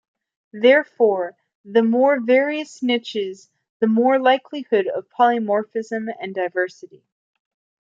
Therefore, the more various niches the more likelihood of polymophrism and diversity.